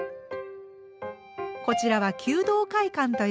こちらは求道会館という建物。